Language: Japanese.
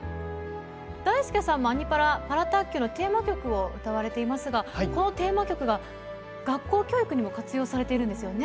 だいすけさんも「アニ×パラ」「パラ卓球」のテーマ曲を歌われていますがこのテーマ曲が学校教育にも活用されているんですよね。